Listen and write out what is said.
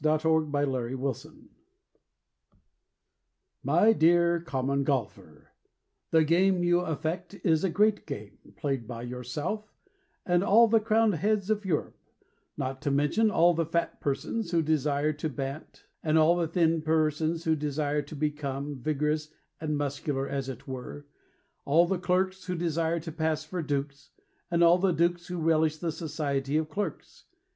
TO THE COMMON GOLFER My dear Common Golfer, The game you affect Is a great game Played by yourself And all the crowned heads of Europe, Not to mention all the fat persons who desire to bant, All the thin persons who desire to become Vigorous and muscular, as it were, All the clerks who desire to pass for dukes, And all the dukes who relish the society of clerks.